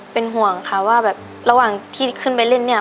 เป็นห่วงค่ะว่าแบบระหว่างที่ขึ้นไปเล่นเนี่ย